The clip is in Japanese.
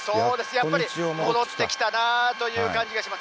やっと日常戻ってきたなという感じがします。